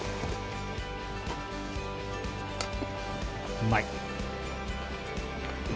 うまい。